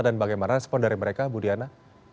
dan bagaimana respon dari mereka ibu diana